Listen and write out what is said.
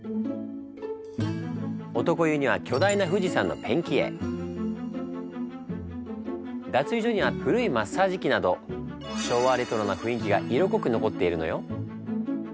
男湯には巨大な脱衣所には古いマッサージ器など昭和レトロな雰囲気が色濃く残っているのよ。